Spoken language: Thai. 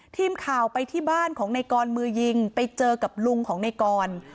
ทีมข่าวไปที่บ้านของในกรมือยิงไปเจอกับลุงของในกร